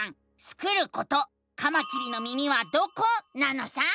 スクること「カマキリの耳はどこ？」なのさ！